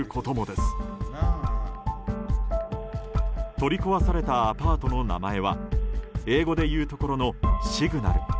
取り壊されたアパートの名前は英語でいうところのシグナル。